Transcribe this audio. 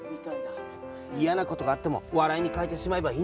いやなことがあってもわらいにかえてしまえばいいんだよ。